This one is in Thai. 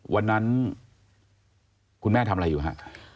วันนั้นคุณแม่ทำอะไรอยู่ฮะ